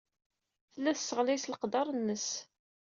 Tella tesseɣlay s leqder-nnes.